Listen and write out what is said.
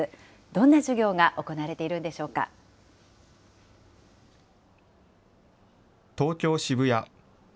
どんな授業が行われているんでし東京・渋谷。